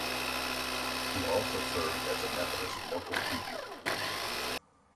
He also served as a Methodist local preacher.